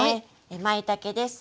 まいたけです。